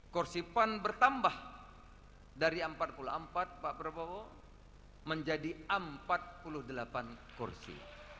kursi pan bertambah dari empat puluh empat pak prabowo menjadi empat puluh delapan kursi